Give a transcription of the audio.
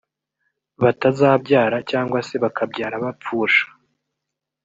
batazabyara cyangwa se bakabyara bapfusha